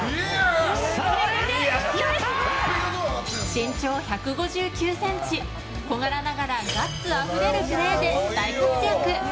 身長１５９ｃｍ、小柄ながらガッツあふれるプレーで大活躍！